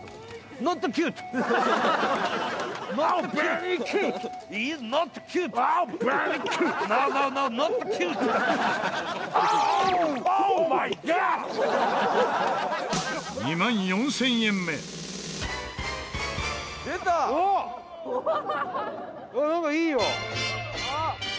なんかいいよ！